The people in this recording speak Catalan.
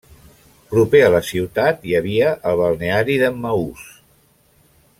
Proper a la ciutat hi havia el balneari d'Emmaús.